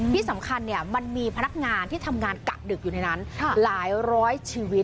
มันมีพนักงานที่ทำงานกะดึกอยู่ในนั้นหลายร้อยชีวิต